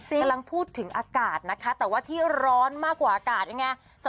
กำลังพูดถึงอากาศนะคะแต่ว่าที่ร้อนมากกว่าอากาศยังไง